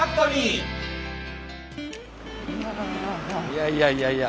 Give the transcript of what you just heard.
いやいやいやいや。